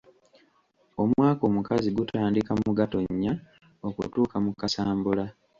Omwaka omukazi gutandika mu Gatonnya okutuuka mu Kasambula.